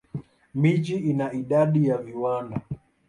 Mji ina idadi ya viwanda.